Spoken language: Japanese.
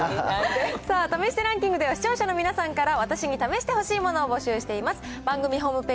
さあ、試してランキングでは、視聴者の皆さんから、私に試してほしいものを募集しています。